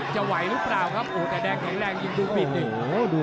จะไหวหรือเปล่าครับโอ้แต่แดงแข็งแรงยิงดูบิดนี่โอ้โหดู